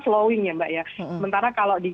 slowing ya mbak ya sementara kalau di